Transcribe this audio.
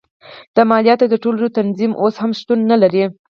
د مالیاتو د ټولولو تنظیم اوس هم شتون نه لري.